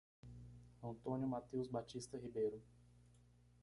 Antônio Mateus Batista Ribeiro